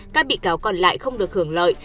các bị cáo còn lại không được hưởng lợi